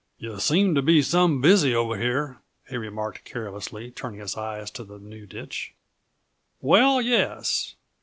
"Yuh seem to be some busy over here," he remarked carelessly, turning his eyes to the new ditch. "Well, yes.